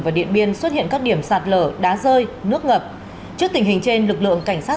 và điện biên xuất hiện các điểm sạt lở đá rơi nước ngập trước tình hình trên lực lượng cảnh sát